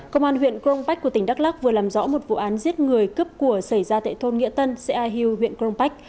công an huyện công bách của tỉnh đắk lắc vừa làm rõ một vụ án giết người cướp của xảy ra tại thôn nghĩa tân xã yà hưu huyện công bách